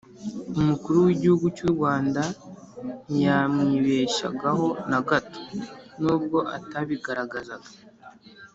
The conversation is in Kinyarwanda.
umukuru w'igihugu cy'u rwanda ntiyamwibeshyagaho na gato, nubwo atabigaragazaga